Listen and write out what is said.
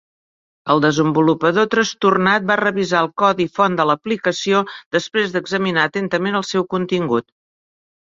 El desenvolupador trastornat va revisar el codi font de l'aplicació després d'examinar atentament el seu contingut.